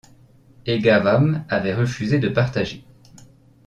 Et Ghavam avait refusé de partager.